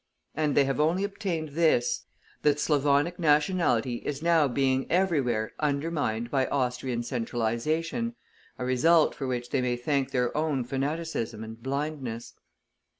And they have only obtained this, that Slavonic nationality is now being everywhere undermined by Austrian centralization, a result for which they may thank their own fanaticism and blindness.